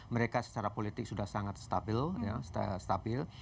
mereka secara politik sudah sangat stabil